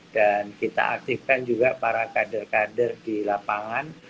dan kita aktifkan juga para kader kader di lapangan